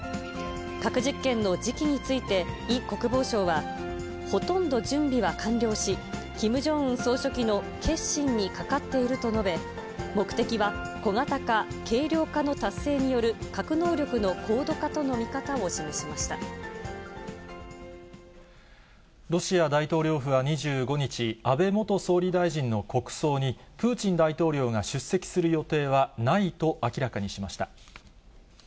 核実験の時期について、イ国防相は、ほとんど準備は完了し、キム・ジョンウン総書記の決心にかかっていると述べ、目的は小型化・軽量化の達成による核能力の高度化との見方を示しロシア大統領府は２５日、安倍元総理大臣の国葬に、プーチン大統領が出席する予定はないと明らかにしました。